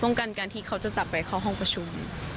กันการที่เขาจะจับไปเข้าห้องประชุม